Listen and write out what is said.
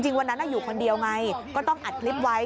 วันนั้นอยู่คนเดียวไงก็ต้องอัดคลิปไว้